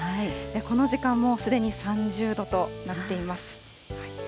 この時間もうすでに３０度となっています。